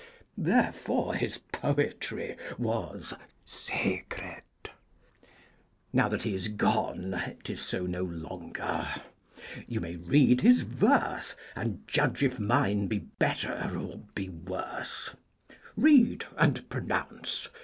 Therefore his poetry Was secret. Now that he is gone 'Tis so no longer. You may read his verse, And judge if mine be better or be worse: Read and pronounce!